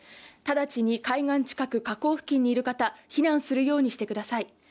直ちに海岸近く河口付近にいる方、避難するようにしてください。